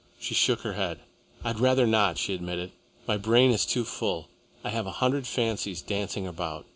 She shook her head. "I'd rather not," she admitted. "My brain is too full. I have a hundred fancies dancing about.